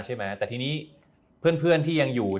ใช่ไหมแต่ทีนี้เพื่อนที่ยังอยู่